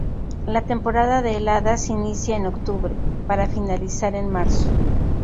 La temporada de heladas inicia en octubre, para finalizar en marzo.